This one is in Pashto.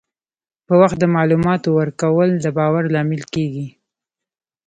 په وخت د معلوماتو ورکول د باور لامل کېږي.